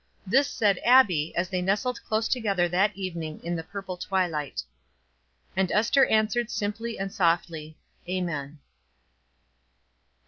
This said Abbie, as they nestled close together that evening in the "purple twilight." And Ester answered simply and softly: Amen.